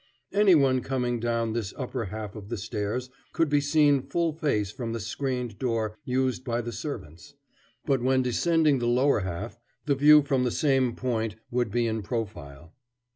Anyone coming down this upper half of the stairs could be seen full face from the screened door used by the servants: but when descending the lower half, the view from the same point would be in profile.